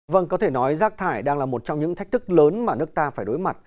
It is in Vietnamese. vâng có thể nói rác thải đang là một trong những thách thức lớn mà nước ta phải đối mặt